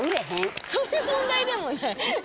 そういう問題でもない。